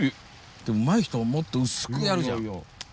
うまい人もっと薄くやるじゃん。